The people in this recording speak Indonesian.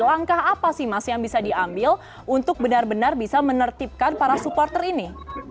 langkah apa sih mas yang bisa diambil untuk benar benar bisa menertibkan para supporter ini